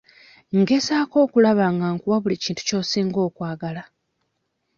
Ngezaako okulaba nga nkuwa buli kintu ky'osinga okwagala.